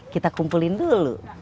kita kumpulin dulu